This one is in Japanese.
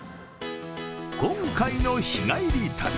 今回の日帰り旅。